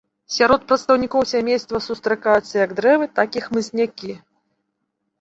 Сярод прадстаўнікоў сямейства сустракаюцца як дрэвы, так і хмызнякі.